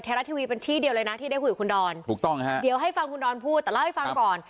รัฐทีวีเป็นที่เดียวเลยนะที่ได้คุยกับคุณดอนถูกต้องฮะเดี๋ยวให้ฟังคุณดอนพูดแต่เล่าให้ฟังก่อน